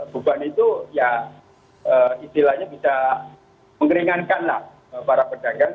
beban itu ya istilahnya bisa mengeringankanlah para pedagang